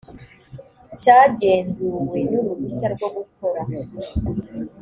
cyagenzuwe n uruhushya rwo gukora